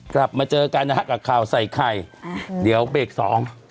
กลับมาเจอกันนะฮะกับข่าวใส่ไข่อ่าเดี๋ยวเบรกสอง